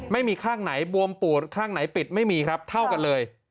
ไม่มีข้างไหนบวมปูดข้างไหนปิดไม่มีครับเท่ากันเลย